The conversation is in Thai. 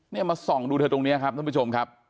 มาส่องดูเธอตรงนี้ครับท่านผู้ชมครับ